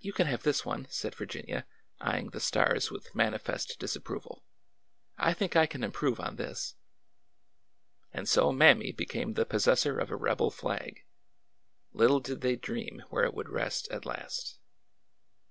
You can have this one," said Virginia, eying the stars with manifest disapproval. '' I think I can improve on this." And so Mammy became the possessor of a rebel flag. Little did they dream where it would rest at last.